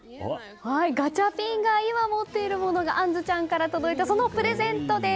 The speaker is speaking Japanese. ガチャピンが今、持っているものが杏ちゃんから届いたプレゼントです！